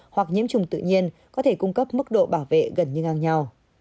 hoặc nhiễm trùng tự nhiên có thể cung cấp mức độ bảo vệ gần như ngang nhau